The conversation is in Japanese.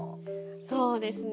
そうですね。